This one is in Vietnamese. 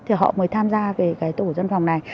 thì họ mới tham gia về cái tổ dân phòng này